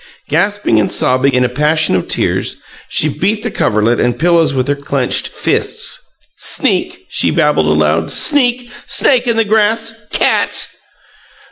Gasping and sobbing in a passion of tears, she beat the coverlet and pillows with her clenched fists. "Sneak!" she babbled aloud. "Sneak! Snake in the grass! Cat!"